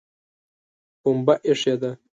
پمبه ایښې ده